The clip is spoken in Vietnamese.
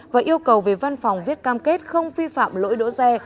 và yêu cầu về văn phòng viết cam kết không vi phạm lỗi đỗ xe